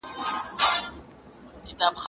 منډېلا د نړۍ لپاره د سولې سمبول دی.